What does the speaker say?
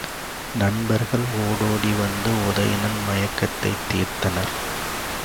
நண்பர்கள் ஒடோடி வந்து உதயணன் மயக்கத்தைத் தீர்த்தனர்.